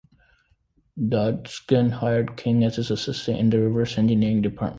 Dodgson hired King as his assistant in the reverse engineering department.